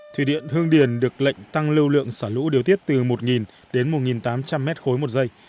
thủy điện hương điền được lệnh tăng lưu lượng sở lũ điều tiết từ một đến một tám trăm linh m ba một giây